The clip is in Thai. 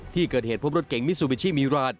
ที่เกิดเหตุพบรถเก่งมิซูบิชิมิราน